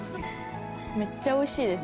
めっちゃおいしいです。